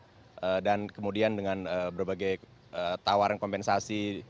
mereka menerima dan kemudian dengan berbagai tawaran kompensasi